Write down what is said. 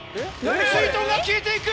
すいとんが消えていく！